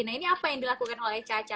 nah ini apa yang dilakukan oleh caca